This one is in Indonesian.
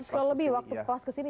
seratus kilo lebih waktu pas kesini